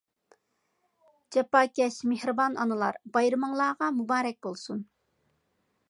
جاپاكەش، مېھرىبان ئانىلار، بايرىمىڭلارغا مۇبارەك بولسۇن!